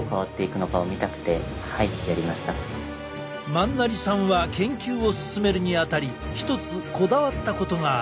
萬成さんは研究を進めるにあたり一つこだわったことがある。